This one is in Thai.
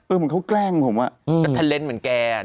เออเหมือนเค้าแกล้งผมอะแต่เล่นเหมือนแกอะ